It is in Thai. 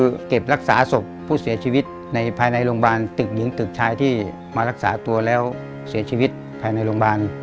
คือเก็บรักษาศพผู้เสียชีวิตในภายในโรงพยาบาลตึกหญิงตึกชายที่มารักษาตัวแล้วเสียชีวิตภายในโรงพยาบาล